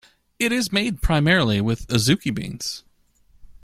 It is made primarily with azuki beans.